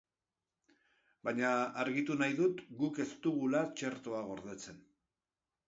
Baina argitu nahi dut guk ez dugula txertoa gordetzen.